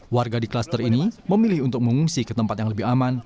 warga di klaster ini memilih untuk mengungsi ke tempat yang lebih aman